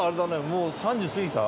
もう３０過ぎた？